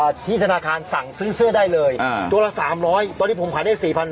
ที่ธนาคารสั่งซื้อเสื้อได้เลยอ่าตัวละสามร้อยตอนนี้ผมขายได้สี่พัน